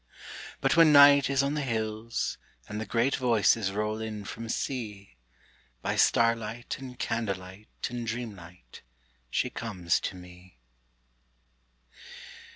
But when Night is on the hills, and the great Voices Roll in from Sea, By starlight and candle light and dreamlight She comes to me.